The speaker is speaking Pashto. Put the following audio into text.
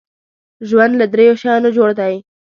ژوند له دریو شیانو جوړ دی .